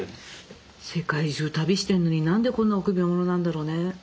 世界中旅してんのに何でこんな臆病者なんだろうね。